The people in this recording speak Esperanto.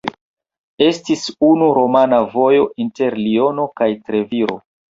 Estis unu romana vojo inter Liono kaj Treviro.